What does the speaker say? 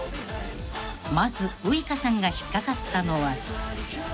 ［まずウイカさんが引っ掛かったのは］